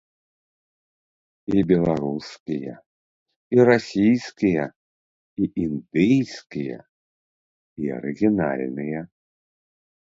І беларускія, і расійскія, і індыйскія, і арыгінальныя.